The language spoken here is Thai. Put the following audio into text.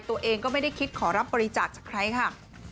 ตัวเองก็ไม่ได้คิดขอรับบริจาคจากใครค่ะ